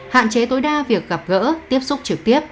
hạn chế tối đa việc gặp gỡ tiếp xúc trực tiếp